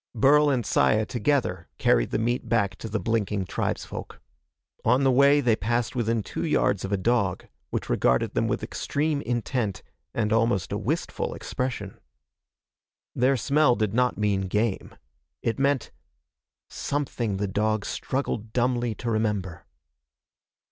Burl and Saya, together, carried the meat back to the blinking tribesfolk. On the way they passed within two yards of a dog which regarded them with extreme intent and almost a wistful expression. Their smell did not mean game. It meant something the dog struggled dumbly to remember.